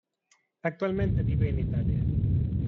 Actualmente vive en Italia.